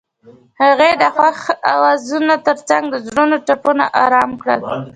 هغې د خوښ اوازونو ترڅنګ د زړونو ټپونه آرام کړل.